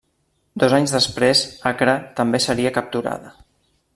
Dos anys després Acre també seria capturada.